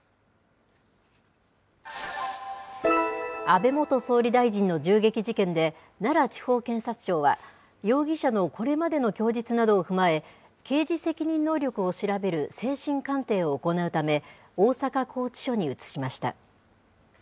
安倍元総理大臣の銃撃事件で、奈良地方検察庁は、容疑者のこれまでの供述などを踏まえ、刑事責任能力を調べる精神鑑定を行うため、大阪拘置所に移しました。